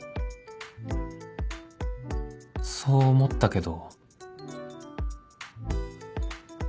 そう思ったけど